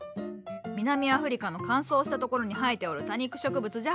南アフリカの乾燥したところに生えておる多肉植物じゃ。